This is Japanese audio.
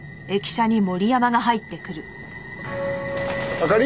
あかり？